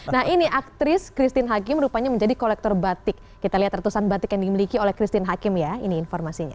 nah ini aktris christine hakim rupanya menjadi kolektor batik kita lihat retusan batik yang dimiliki oleh christine hakim ya ini informasinya